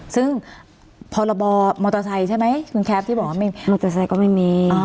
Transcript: ซึ่งพรบมอเตอร์ไซค์ใช่ไหมคือแคฟที่บอกว่าไม่มี